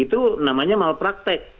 itu namanya malpraktek